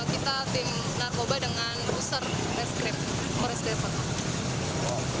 kita tim narkoba dengan user reskript